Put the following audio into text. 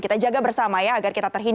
kita jaga bersama ya agar kita terhindar